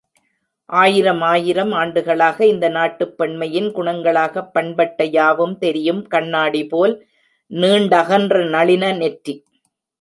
ஆயிரமாயிரம் ஆண்டுகளாக, இந்த நாட்டுப் பெண்மையின் குணங்களாகப் பண்பட்ட யாவும் தெரியும் கண்ணாடிபோல் நீண்டகன்ற நளின நெற்றி.